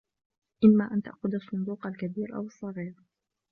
إمّا أن تأخذ الصندوق الكبير أو الصغير.